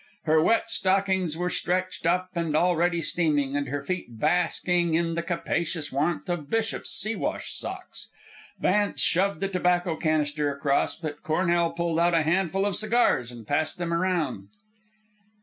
Her wet stockings were stretched up and already steaming, and her feet basking in the capacious warmth of Bishop's Siwash socks. Vance shoved the tobacco canister across, but Cornell pulled out a handful of cigars and passed them around.